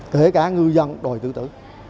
kể cả ngư dân đòi tự tử